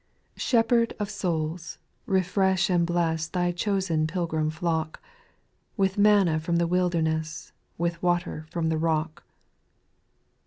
1. n HEPHERD of souls, refresh and bless O Thy chosen pilgrim flock. With manna from the wilderness. With water from the rock.